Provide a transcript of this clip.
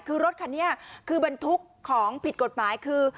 คือรถคันนี้คือบรรทุกของผิดกฎหมายคือ